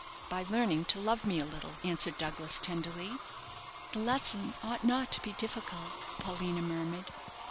"By learning to love me a little," answered Douglas, tenderly. "The lesson ought not to be difficult," Paulina murmured.